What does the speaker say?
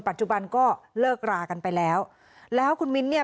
ปัจจุบันก็เลิกรากันไปแล้วแล้วคุณมิ้นเนี่ย